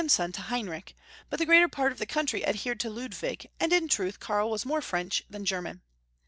son to Heinrich, but the greater part of the country adhered to Ludwig, and in truth Karl was more French than German.